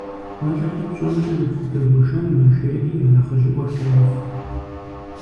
- Уэлэхьи, тщӀэмкӀэ дыбдэгуэшэнмэ, - жеӀэри я нэхъыжьыӀуэр къоув.